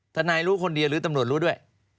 ทนายรู้คนเดียวหรือตำรวจรู้ด้วย